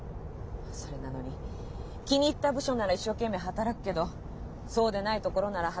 それなのに気に入った部署なら一生懸命働くけどそうでないところなら働かないなんて